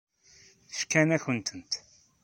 Fkan-ak-tent.